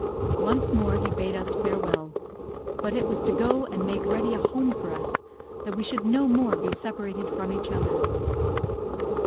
Once more he bade us farewell; but it was to go and make ready a home for us, that we should no more be separated from each other.